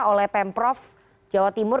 oleh pemprov jawa timur